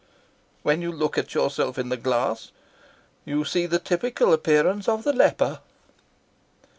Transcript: "When you look at yourself in the glass you see the typical appearance of the leper."